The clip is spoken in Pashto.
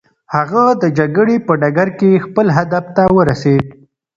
هغه د جګړې په ډګر کې خپل هدف ته ورسېد.